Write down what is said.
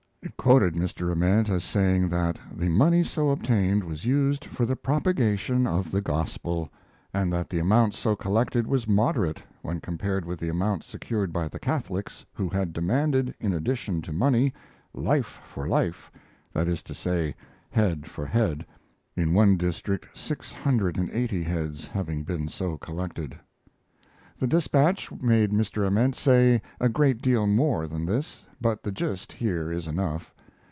It quoted Mr. Ament as saying that the money so obtained was used for the propagation of the Gospel, and that the amount so collected was moderate when compared with the amount secured by the Catholics, who had demanded, in addition to money, life for life, that is to say, "head for head" in one district six hundred and eighty heads having been so collected. The despatch made Mr. Ament say a great deal more than this, but the gist here is enough.